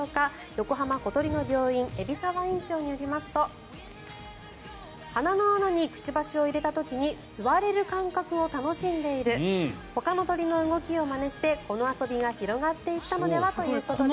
横浜小鳥の病院海老沢院長によりますと鼻の穴にくちばしを入れた時に吸われる感覚を楽しんでいるほかの鳥の動きをまねしてこの遊びが広がっていったのではということです。